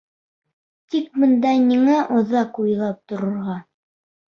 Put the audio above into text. Тик бында ниңә оҙаҡ уйлап торорға?